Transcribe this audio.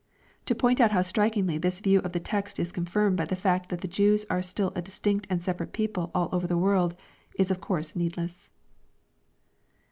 To point out how strikingly this view of the text is confirmed by the fact that the Jews are still a distinct and separate people all over the world, is of course needless.